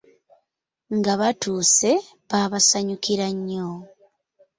Nga batuuse, baabasanyukira nnyo.